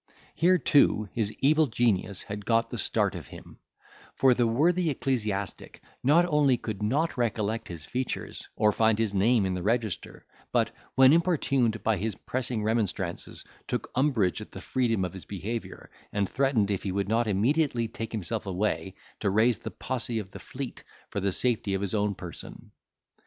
Here too his evil genius had got the start of him; for the worthy ecclesiastic not only could not recollect his features, or find his name in the register, but, when importuned by his pressing remonstrances, took umbrage at the freedom of his behaviour, and threatened, if he would not immediately take himself away, to raise the posse of the Fleet, for the safety of his own person.